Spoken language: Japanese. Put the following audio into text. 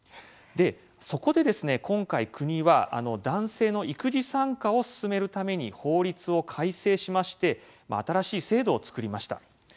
そこで今回、国は男性の育児参加を進めるために法律を改正しまして新しい制度を作りました。